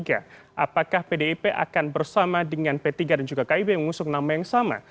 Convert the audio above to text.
apakah pdip akan bersama dengan p tiga dan juga kib mengusung nama yang sama